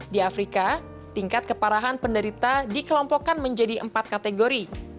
di afrika tingkat keparahan penderita dikelompokkan menjadi empat kategori